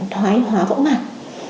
thoái hóa võ mặt